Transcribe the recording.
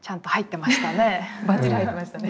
バッチリ入ってましたね。